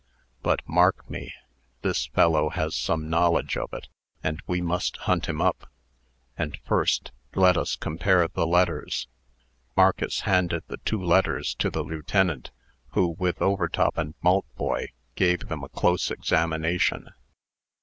But mark me this fellow has some knowledge of it; and we must hunt him up. And, first, let us compare the letters." Marcus handed the two letters to the lieutenant, who, with Overtop and Maltboy, gave them a close examination.